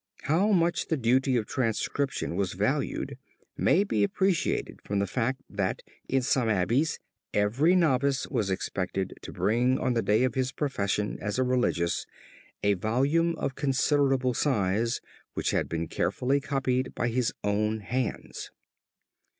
How much the duty of transcription was valued may be appreciated from the fact, that in some abbeys every novice was expected to bring on the day of his profession as a religious, a volume of considerable size which had been carefully copied by his own hands.